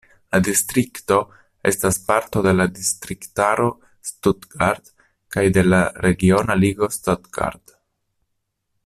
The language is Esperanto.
La distrikto estas parto de la distriktaro Stuttgart kaj de la regiona ligo Stuttgart.